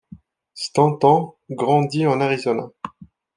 Stanton grandit en Arizona.